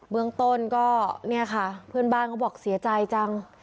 เมืองต้นก็เนี่ยค่ะเพื่อนบ้านเขาบอกเสียใจจัง